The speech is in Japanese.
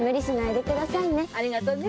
ありがとね。